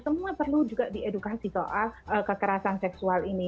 semua perlu juga diedukasi soal kekerasan seksual ini